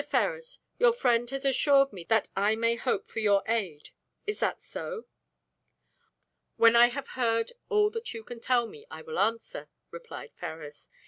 Ferrars, your friend has assured me that I may hope for your aid. Is that so?" "When I have heard all that you can tell me, I will answer," replied Ferrars.